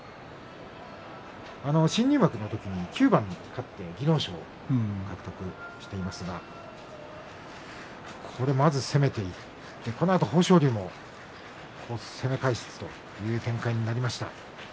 新入幕の時に９番勝って技能賞を獲得していますがまず攻めてそのあと豊昇龍も攻め返すという展開になりました。